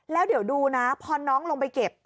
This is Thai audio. แล้วเดี๋ยวดูนะพอน้องลงไปเก็บ